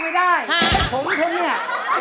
ไม่ได้ผมเพียงเนี่ย